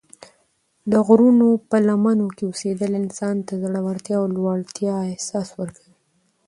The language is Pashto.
د غرونو په لمنو کې اوسېدل انسان ته د زړورتیا او لوړتیا احساس ورکوي.